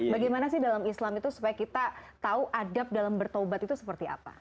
bagaimana sih dalam islam itu supaya kita tahu adab dalam bertobat itu seperti apa